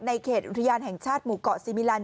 เขตอุทยานแห่งชาติหมู่เกาะซีมิลัน